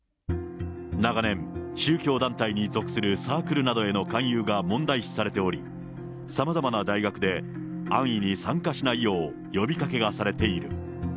長年、宗教団体に属するサークルなどへの勧誘が問題視されており、さまざまな大学で安易に参加しないよう、呼びかけがされている。